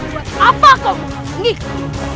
buat apa kau mengganggu aku